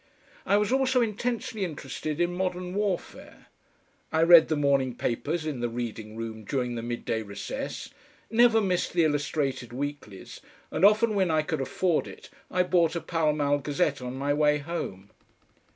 I was also intensely interested in modern warfare. I read the morning papers in the Reading Room during the midday recess, never missed the illustrated weeklies, and often when I could afford it I bought a PALL MALL GAZETTE on my way home.